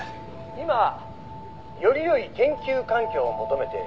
「今より良い研究環境を求めて」